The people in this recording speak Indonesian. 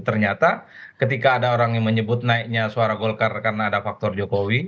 ternyata ketika ada orang yang menyebut naiknya suara golkar karena ada faktor jokowi